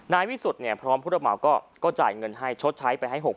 นายวิสูรพร้อมผู้รับเหมาก็ก็จ่ายเงินให้ชดใช้ไปไฟให้๖๐๐๐บาท